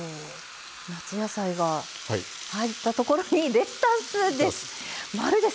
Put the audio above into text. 夏野菜が入ったところにレタスです！